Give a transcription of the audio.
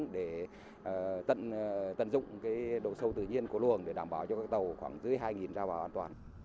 để tận dụng cái độ sâu tự nhiên của luồng để đảm bảo cho các tàu khoảng dưới hai tàu vào an toàn